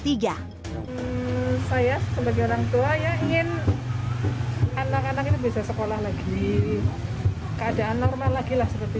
saya sebagai orang tua ya ingin anak anak ini bisa sekolah lagi keadaan normal lagi lah seperti